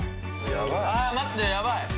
あ待ってヤバい！